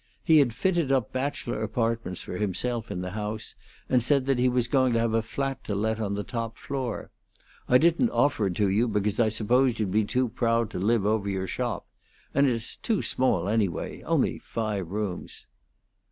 He had fitted up bachelor apartments for himself in the house, and said that he was going to have a flat to let on the top floor. "I didn't offer it to you because I supposed you'd be too proud to live over your shop; and it's too small, anyway; only five rooms."